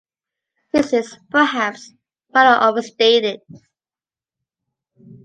This is, perhaps, rather overstated.